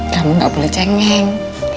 kamu gak boleh cengeng